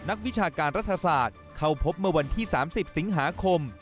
วิชาการรัฐศาสตร์เข้าพบเมื่อวันที่๓๐สิงหาคม